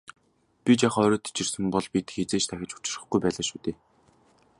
Би жаахан оройтож ирсэн бол бид хэзээ ч дахин учрахгүй байлаа шүү дээ.